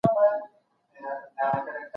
د علمي میتود کارول څېړنه کره کوي.